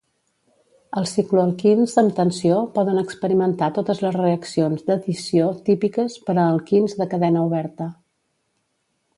Els cicloalquins amb tensió poden experimentar totes les reaccions d'addició típiques per a alquins de cadena oberta.